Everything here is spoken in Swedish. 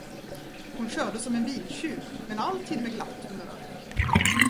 Hon körde som en biltjuv, men alltid med glatt humör.